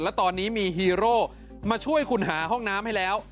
และตอนนี้มีฮีโร่มาช่วยคุณหาห้องน้ำให้แล้ว